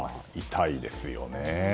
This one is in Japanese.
痛いですよね。